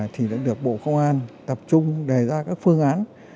thì đã được bộ công an tập trung đề ra các phương án